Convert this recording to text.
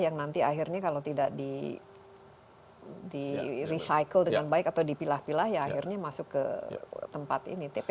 yang nanti akhirnya kalau tidak di recycle dengan baik atau dipilah pilah ya akhirnya masuk ke tempat ini tps